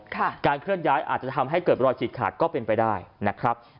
การเคลื่อนย้ายอาจจะทำให้เกิดรอยฉีกขาดก็เป็นไปได้นะครับ